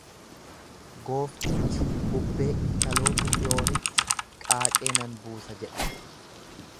Gooftichi gubbee intaloota Xiyoonitti qaaqee nan buusa jedha.